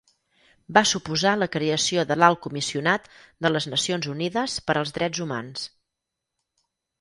Va suposar la creació de l'Alt Comissionat de les Nacions Unides per als Drets Humans.